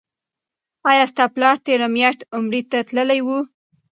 آیا ستا پلار تیره میاشت عمرې ته تللی و؟